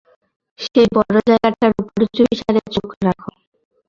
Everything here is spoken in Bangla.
সেই বড় জায়গাটার উপর চুপিসাড়ে চোখ রাখ।